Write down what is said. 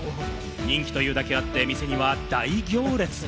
人気というだけあって、店には大行列！